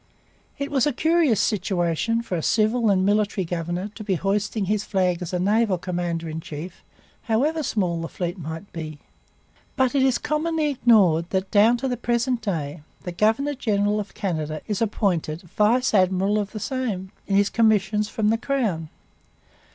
It was a curious situation for a civil and military governor to be hoisting his flag as a naval commander in chief, however small the fleet might be. But it is commonly ignored that, down to the present day, the governor general of Canada is appointed 'Vice Admiral of the Same' in his commissions from the Crown.